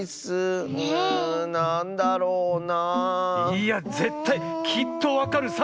いやぜったいきっとわかるさ！